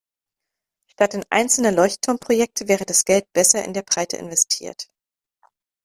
Statt in einzelne Leuchtturmprojekte wäre das Geld besser in der Breite investiert.